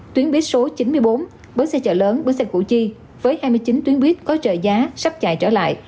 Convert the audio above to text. tuyến buýt số chín mươi bốn bến xe chợ lớn bến xe củ chi với hai mươi chín tuyến buýt có trợ giá sắp chạy trở lại